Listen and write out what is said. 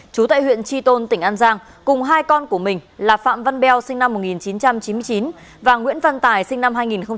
chú tại huyện tri tôn tỉnh an giang cùng hai con của mình là phạm văn beo sinh năm một nghìn chín trăm chín mươi chín và nguyễn văn tài sinh năm hai nghìn